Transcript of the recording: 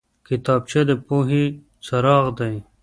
کتابچه د پوهې څراغ دی